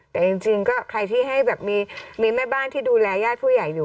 แต่จริงก็ใครที่ให้แบบมีแม่บ้านที่ดูแลญาติผู้ใหญ่อยู่